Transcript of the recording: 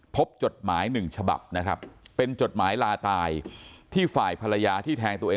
จดหมายหนึ่งฉบับนะครับเป็นจดหมายลาตายที่ฝ่ายภรรยาที่แทงตัวเอง